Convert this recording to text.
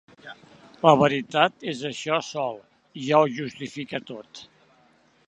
La veritat és això sol ja ho justifica tot.